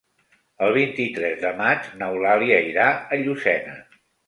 El vint-i-tres de maig n'Eulàlia irà a Llucena.